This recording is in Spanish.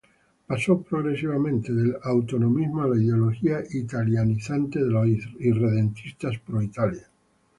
Pasó progresivamente del "autonomismo" a la ideología "italianizante" de los irredentistas pro-Italia.